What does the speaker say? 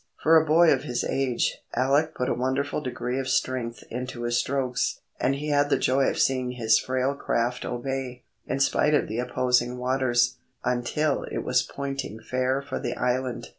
For a boy of his age, Alec put a wonderful degree of strength into his strokes, and he had the joy of seeing his frail craft obey, in spite of the opposing waters, until it was pointing fair for the island.